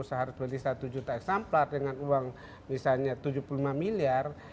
saya harus beli satu juta eksamplar dengan uang misalnya tujuh puluh lima miliar